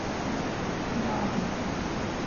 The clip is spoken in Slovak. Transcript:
Dávid